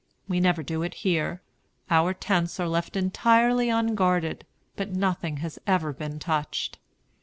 We never do it here. Our tents are left entirely unguarded, but nothing has ever been touched."